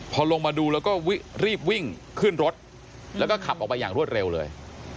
พอลงมาดูแล้วก็รีบวิ่งขึ้นรถแล้วก็ขับออกไปอย่างรวดเร็วเลย